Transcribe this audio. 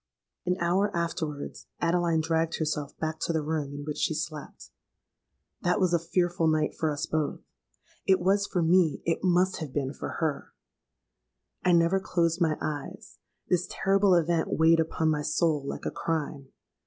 "An hour afterwards Adeline dragged herself back to the room in which she slept. That was a fearful night for us both: it was for me—it must have been for her! I never closed my eyes: this terrible event weighed upon my soul like a crime.